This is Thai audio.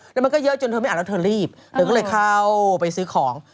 แล้วมันก็เยอะจนเธอไม่อ่านแล้วเธอรีบเธอก็เลยเข้าไปซื้อของ